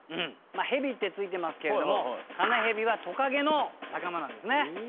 まあヘビってついてますけれどもカナヘビはトカゲのなかまなんですね。